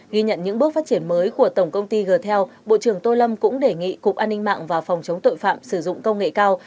ghi nhận những bước phát triển mới của tổng công ty g tel bộ trưởng tô lâm cũng đề nghị cục an ninh mạng và phòng chống tội phạm sử dụng công nghệ cao